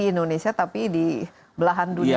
indonesia tapi di belahan dunia